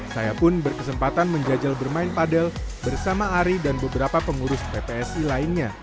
saya pun berkesempatan menjajal bermain padel bersama ari dan beberapa pengurus ppsi lainnya